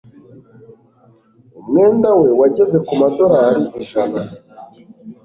Umwenda we wageze ku madorari ijana.